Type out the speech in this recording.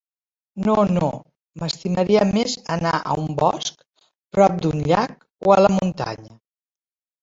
No, no, m'estimaria més anar a un bosc prop d'un llac, o a la muntanya.